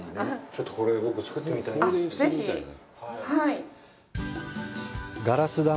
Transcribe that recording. ちょっと、これ、僕、作ってみたいんですけど。